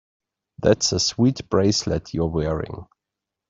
That's a swell bracelet you're wearing.